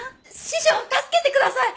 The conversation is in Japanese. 師匠助けてください！